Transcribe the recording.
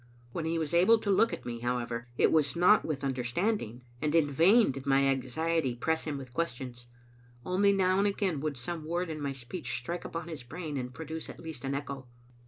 When he was able to look at me, however, it was not with understanding, and in vain did my anxiety press him with questions. Only now and again would some word in my speech strike upon his brain and produce at least an echo.